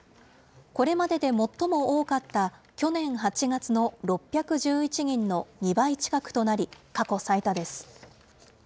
これまでで最も多かった去年８月の６１１人の２倍近くとなり、過去最多です。